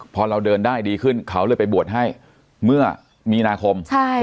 พอเราเดินได้ดีขึ้นเขาเลยไปบวชให้เมื่อมีนาคม